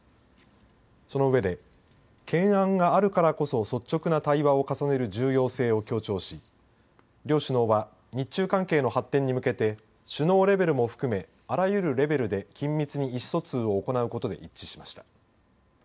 その上で懸案があるからこそ率直な対話を重ねる重要性を強調し両首脳は日中関係の発展に向けて首脳レベルも含めてあらゆるレベルで緊密に意思疎通を行うことで一致しました。